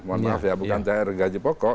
mohon maaf ya bukan cair gaji pokok